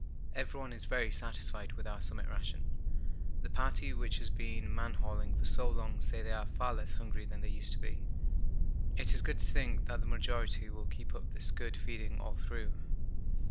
Everyone is very satisfied with our summit ration. The party which has been man hauling for so long say they are far less hungry than they used to be. It is good to think that the majority will keep up this good feeding all through.